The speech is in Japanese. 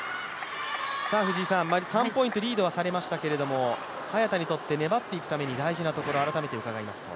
３ポイントリードはされましたけれども、早田にとって粘っていくために大事なポイントを改めて伺っていきますと？